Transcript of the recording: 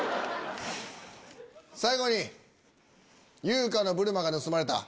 最後に優香のブルマーが盗まれた。